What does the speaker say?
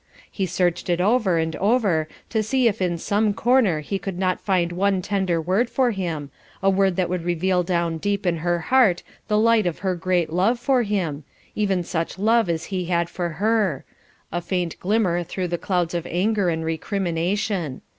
He searched it over and over to see if in some corner he could not find one tender word for him, a word that would reveal down deep in her heart the light of her great love for him, even such love as he had for her a faint glimmer through the clouds of anger and recrimination.